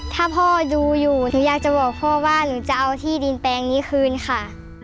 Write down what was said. ถ้าพ่อดูอยู่หนูอยากจะบอกพ่อว่าหนูจะเอาที่ดินแปลงนี้คืนค่ะ